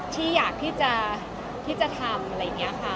ที่อยากที่จะทำอะไรอย่างนี้ค่ะ